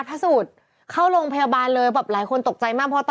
บ้างแม่ก็ไปเติมเองเถอะ